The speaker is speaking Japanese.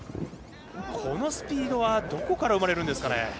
このスピードはどこから生まれるんですかね。